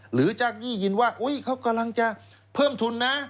จากยี่ยินว่าเขากำลังจะเพิ่มทุนนะ